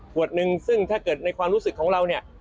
หนึ่งซึ่งถ้าเกิดในความรู้สึกของเราเนี่ย